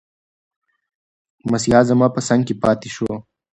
مسیحا زما په څنګ کې پاتي شو.